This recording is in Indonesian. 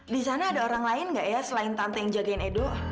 di sana ada orang lain nggak ya selain tante yang jagain edo